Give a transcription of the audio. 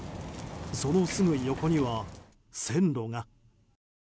そのすぐ横には線路が。